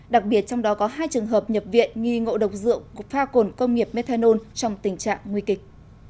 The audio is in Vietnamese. đặc biệt trong đó có hai trường hợp nhập viện nghi ngộ độc rượu pha cồn công nghiệp methanol trong tình trạng nguy kịch